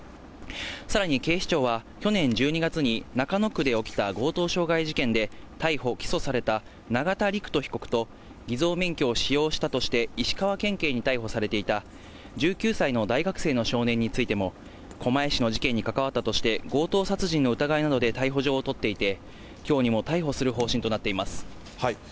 さらに警視庁は、去年１２月に中野区で起きた強盗傷害事件で、逮捕・起訴された永田陸人被告と、偽造免許を使用したとして、石川県警に逮捕されていた１９歳の大学生の少年についても、狛江市の事件に関わったとして、強盗殺人の疑いなどで逮捕状を取っていて、きょうにも逮捕する方針となっています。